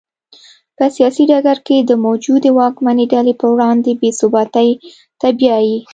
په سیاسي ډګر کې د موجودې واکمنې ډلې پر وړاندې بې ثباتۍ ته بیايي.